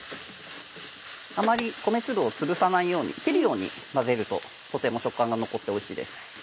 あまり米粒をつぶさないように切るように混ぜるととても食感が残っておいしいです。